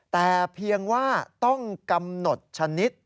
แต่เพียงว่าต้องกำหนดชนิด